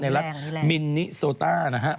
ในรัฐมินิโซตานะครับ